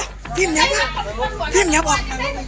พ่อพ่อพ่อทีมเนี๊ยบนะทีมเนี๊ยบออก